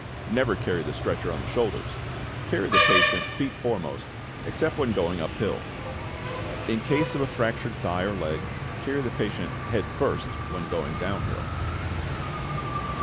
Never carry the stretcher on the shoulders. Carry the patient feet foremost, except when going up hill. In case of a fractured thigh or leg, carry the patient head first when going down hill.